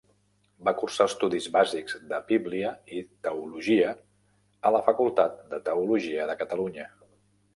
Va cursar estudis bàsics de Bíblia i teologia a la Facultat de Teologia de Catalunya.